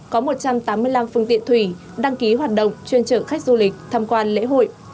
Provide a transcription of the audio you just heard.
có một trăm tám mươi năm phương tiện thủy đăng ký hoạt động chuyên trở khách du lịch tham quan lễ hội